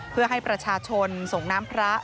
เพื่อให้ประชาชนส่งน้ำพระ